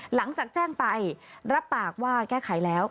หลังจากแจ้งไปรับปากว่าแก้ไขแล้ว